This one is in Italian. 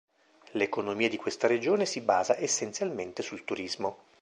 L'economia di questa regione si basa essenzialmente sul turismo.